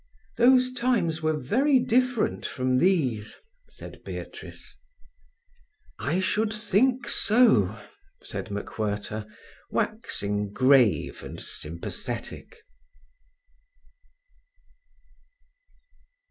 "Those times were very different from these," said Beatrice. "I should think so," said MacWhirter, waxing grave and sympathetic.